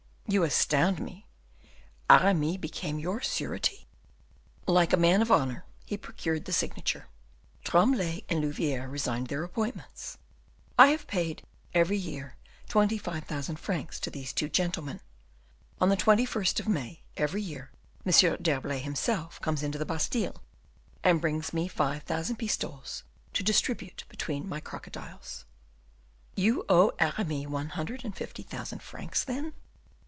"You astound me! Aramis became your surety?" "Like a man of honor; he procured the signature; Tremblay and Louviere resigned their appointments; I have paid every year twenty five thousand francs to these two gentlemen; on the thirty first of May, every year, M. d'Herblay himself comes to the Bastile, and brings me five thousand pistoles to distribute between my crocodiles." "You owe Aramis one hundred and fifty thousand francs, then?"